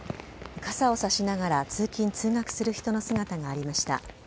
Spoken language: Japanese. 傘を差しながら通勤通学する人の姿がありました。